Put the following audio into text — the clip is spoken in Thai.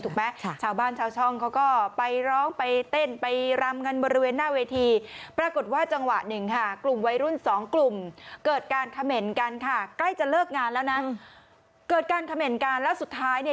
ถูกไหมคะชาวบ้านชาวช่องเขาก็ไปร้องไปเต้นไปรำร้องกลับทำเพลง